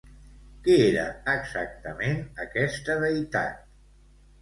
Què era exactament aquesta deïtat?